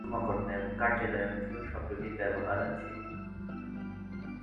কর্মকর্তা এবং কার্য্যালয় অর্থেও শব্দটির ব্যবহার আছে।